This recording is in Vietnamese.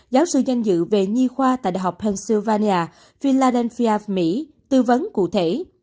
giáo sư danh dự về nhi khoa tại đại học pennsylvania filladelphia mỹ tư vấn cụ thể